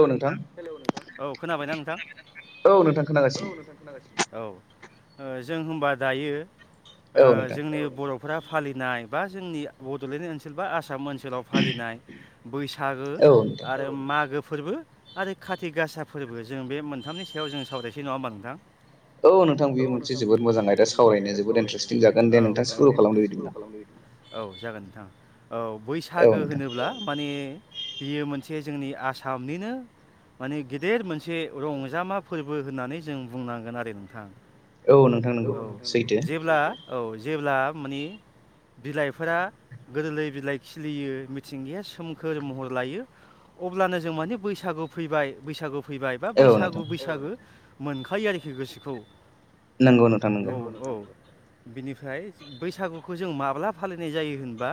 औ नोंथां हेलौ नोंथां औ खोनाबायना नोंथां नोंथां खोनागासिनो औ नोंथां खोनागासिनो औ ओ जों होनबा दायो औ ओ नोंथां जोंनि बर'फ्रा फालिनाय बा जोंनि बड'लेण्ड ओनसोल बा आसाम ओनसोलाव फालिनाय बैसा सागो औ नोंथां आरो मागो फोरबो आरो खाथि गासा फोरबो जों बे मोनथामनि सायाव जों सावरायसै नङा होमबा नोंथां औ नोंथां बेयो मोनसे जोबोद मोजां आयदा सावरायनो जोबोद इन्टारेस्टिं जागोन दे नोंथां सुरु खालामदो बिदिब्ला औ जागोन नोंथां औ औ बैसागो नोंथां होनोब्ला माने बियो मोन से जोंनि आसामनिनो माने गेदेर मोनसे रंजामा फोरबो होननानै जों बुंनांगोन आरो नोंथां औ नोंथां नंगौ औ सैथो जेब्ला औ जेब्ला मानि बिलाइफोरा गोरलै बिलाइ खिलियो मिथिंगाया सोमखोर महर लायो अब्लानो जों माने बैसागु फैबाय बैसागु फैबाय बा औ बैसागु नोंथां बैसागो मोनखायो आरोखि गोसोखौ नंगौ नोंथां नंगौ औ औ बिनिफ्राय बैसागुखौ जों माब्ला फालिनाय जायो होनबा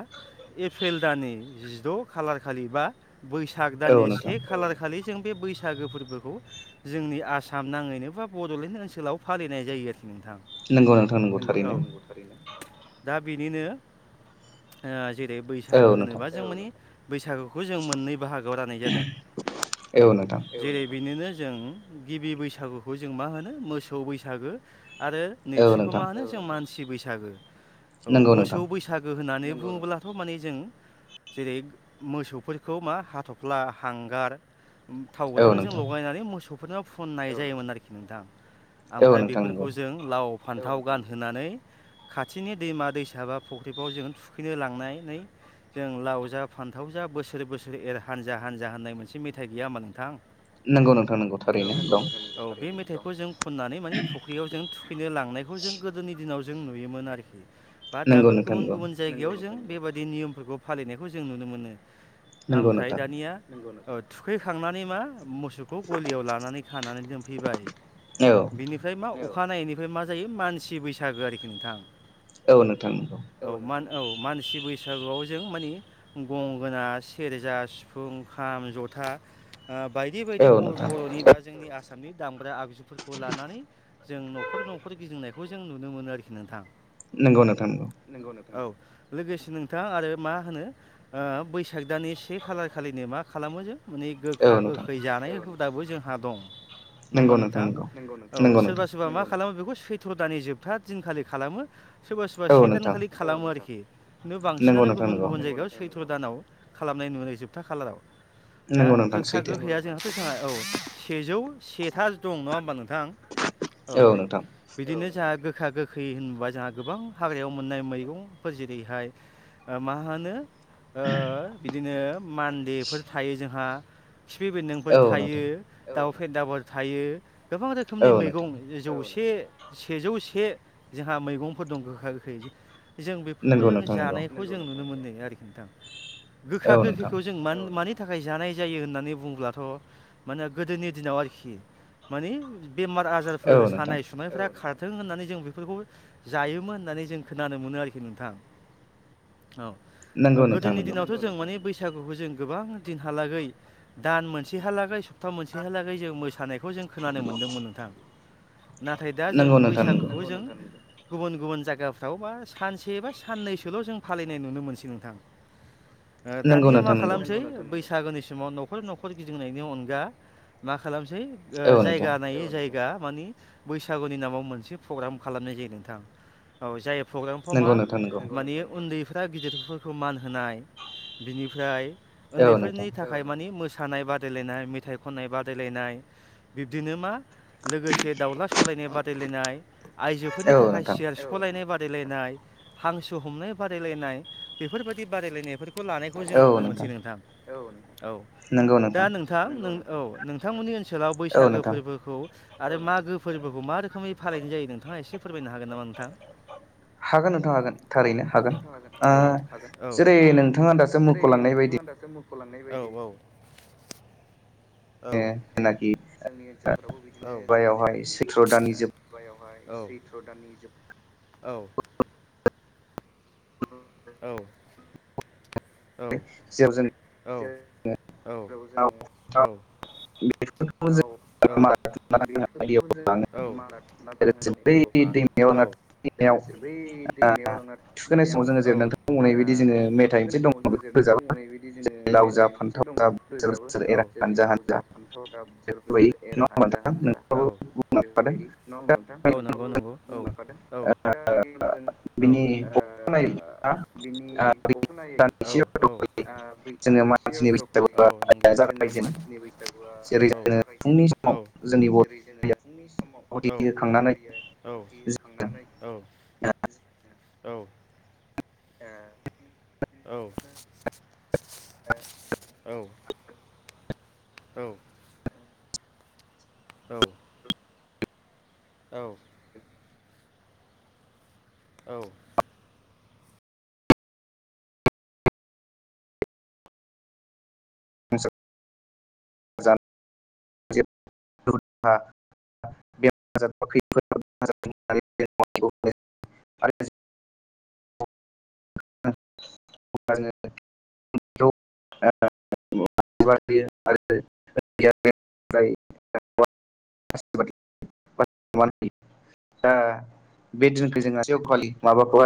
एप्रिल दाननि जिद' खालार खालि बा बैसाग औ दाननि नोंथां से खालार खालि जों बे बैसागो फोरबोखौ जोंनि आसाम नाङैनो बा बड'लेण्ड ओनसोलाव फालिनाय जायो आरो नोंथां नंगौ नोंथां नोंगौ औ थारैनो नंगौ नंगौ थारैनो दा बिनिनो ओ जेरै औ बैसागो नोंथां होनोबा जों मानि बैसागुखौ जों मोननै बाहागोआव राननाय जादों औ जेरै बेनोनो जों गिबि बैसागुखौ जों मा होनो मोसौ बैसागो आरो औ नैथिखौ मा नोंथां होनो जों मानसि बैसागो औ नंगौ मोसौ नोंथां बैसागो होननानै बुङोब्लाथ' माने जों जेरै मोसौफोरखौ मा हाथ'फ्ला हांगार थाव औ गोथांजों नोंथां लगायनानै मोसौफोरनो फुननाय जायोमोन आरोखि नोंथां औ ओमफ्राय बे नोंथां नंगौ बेफोरखौ जों लाव फान्थाव गानहोनानै खाथिनि दैमा दैसा बा फख्रिफ्राव जोंङ थुखैनो लांनानै जों लाव जा फान्थाव जा बोसोरै बोसोरै एर हानजा हानजा होननाय मोनसे मेथाइ गैया हानबा नोंथां औ नंगौ नोंथां नंगौ थारैनो नंगौ दं नोंथां नंगौ औ बे मेथाइखौ जों खननानै मानि दैयाव जों थुखैनो लांनायखौ जों गोदोनि दिनाव जों नुयोमोन आरोखि बा नंगौ दाबो नोंथां गुबुन नंगौ गुबुन जायगायाव जों बेबादि नियमफोरखौ फालिनायखौ जों नुनो मोनो नंगौ आमफ्राय नोंथां दानिया नंगौ नों ओ थुखैखांनानै मा मोसौखौ गलियाव लानानै खानानै दोनफैबाय औ बिनिफ्राय मा अखानायैनिफ्राय मा जायो मानसि बैसागो आरोखि नोंथां औ नोंथां नोंगौ औ मान औ मानसि बैसागुआव जों मानि गंगोना सेरजा सिफुं खाम जथा आ बायदि बायदि औ नोंथां बर'नि बा जोंनि आसामनि दामग्रा आगजुफोरखौ लानानै जों न'खर न'खर गिदिंनायखौ जों नुनो मोनो आरोखि नोंथां नंगौ नोंथां नंगौ नोंथां औ लोगोसे नोंथां आरो मा होनो ओ बैसाग दानि से खालार खालिनो मा खालामो जों माने गोखा औ नोंथां गोखै जानाय हुदाबो जोंहा दं। नङा होमबा नंगौ नोंथां? नंगौ औ नंगौ नोंथां सोरबा सोरबा मा खालामो बेखौ सैथ्र' दाननि जोबथा दिनखालि खालामो। सोरबा सोरबा औ से नोंथां दानखालि खालामो आरोखि। खिन्थु नंगौ बांसिनानो नोंथां गुबुन नंगौ गुबुन जायगायाव सैथ्र' दानाव खालामनाय नुनाय जोबथा खालाराव। दा नंगौ नोंथां गोखा सैथो गोखैया जोंहाथ' जोंहा औ सेजौ सेथा दं। नङा होमबा नोंथां? औ बिदिनो जोंहा गो गखा गोखै होनोबा जोंहा गोबां हाग्रायाव मोननाय मैगंफोर जेरैहाय ओ मा होनो ओ बिदिनो मान्डेफोर थायो जोंहा खिफि बेन्दोंफोर औ नोंथां थायो दाउ फेदाफोर थायो गोबां औ रोखोमनि मैगं नोंथां जौसे सेजौ से जोंहा मैगंफोर दं गोखा गोखै। जों बेफोरखौ नंगौ जों नोंथां नंगौ जानायखौ जों नुनो मोन्दों आरोखि नोंथां। गोखा औ नोंथां गोखैखौ जों म मानि नि थाखाय जानाय जायो होननानै बुंब्लाथ' माने गोदोनि दिनाव आरोखि माने बेमार औ आजारफोर नोंथां सानाय सुनायफ्रा थों होननानै जों बेफोरखौ जायोमोन होननानै जों खोनानो मोनो आरोखि नोंथां नंगौ औ नोंथां गोदोनि नंगौ दिनावथ' जों माने बै बैसागुखौ जों गोबां दिनहालागै दान मोनसेहालागै सपथा मोनसेहालागै जों मोसानायखौ जों खोनानो मोनदोंमोन। नाथाय दा जों नंगौ नोंथां नंगौ बैसागुखौ जों गुबुन गुबुन जायगाफ्राव बा सानसे बा साननैसोल' जों फालिनाय नुनो मोनसै नोंथां ओ नंगौ दानिया मा नोंथां नंगौ खालामसै बैसाग बैसागोनि समाव न'खर न'खर गिदिंनायनि अनगा मा खालामसै ओ औ नोंथां जायगा नायै जायगा मानि बैसागुनि नामाव मोनसे प्रग्राम खालामनाय जायो नोंथां औ जाय प्रग्रामफाव नंगौ मा नोंथां नंगौ मानि उन्दैफ्रा गिदिरफोरखौ मान होनाय बिनिफ्राय औ नोंथां उन्दैफोरनि थाखाय मानि मोस नाय बादायलायनाय मेथाइ खननाय बादायलायनाय बिब्दिनो मा लोगोसे दाउला सौलायनाय बादायलायनाय आइजोफोरनि औ थाखाय नोंथां सेयार सखलायनाय बादायनाय लायनाय हांसो हमनाय बादालायनाय बेफोरबायदि बादालायनायफोर खौ लानायखौ जों नुनो मोनसै नोंथां औ औ दा नोंथां नों औ नोंथांमोननि ओनसोलाव औ बैसागो नोंथां फोरबोखौ आरो मागो फोरबोखौ मा रोखोमै फालिनाय जायो नोंथाङा एसे फोरमायनो हागोन नामा नोंथां हागोन नोंथां हागोन थारैनो हागोन ओ जेरै नोंथाङा दासो मुख'लांनाय बायदि [inaudible] औ औ जेनाखि औ मुगायावहाय सैथ्र' दाननि जोब [unintelligible] [unintelligible] औ औ जेराव औ औ जों जो बेफोरखौ औ औ औ थुखैनाय बेफोरखौ जों मारला थुमला बाननानै दैयाव जानो औ लोगोसे बै दैमायाव लांना समाव जोङो थुखैनायाव ओ जेरै नोंथां बुंनाय बायदि जोङो मेथाइ मोनसे थुखैनाय दङ समाव बेखौ जोङो रोजाबा नोंथांमोनहै बिदि जेरै लाव जा फान्थाव जा बोसोर बोसोर एर हानजा जोङो [unintelligible] हानजा बेबायदि नङा [unintelligible] होमबा हानजा नोंथां हानजा नोंथाङाबो औ बुंलांखादों बेफोरबायदि ना दा नोंथां औगौंगौ औ मादों औ औ औ [inaudible] मानसिनि बैसागुआ जागायजेनो [unintelligible] जों जेरै जोङो फुंनि समाव जोंनि होखांनानै अर होयो होखांनानै औ दा औ औ औ औ औ औ औ [unintelligible] [unintelligible] [unintelligible] [unintelligible] [unintelligible] [unintelligible] दा बे दिनखो जों [unintelligible] माबाखौहाय